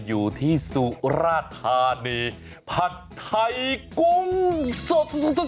อยู่ที่สุราธานีผัดไทยกุ้งสด